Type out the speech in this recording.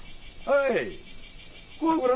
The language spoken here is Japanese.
はい。